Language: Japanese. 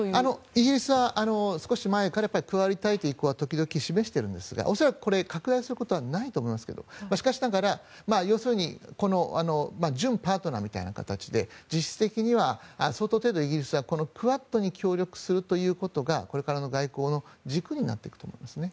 イギリスは少し前から加わりたいという意向は時々示しているんですが恐らく拡大することはないと思いますがこの準パートナーみたいな形で実質的には相当程度、イギリスはクアッドに協力するということがこれからの外交に軸になっていくと思います。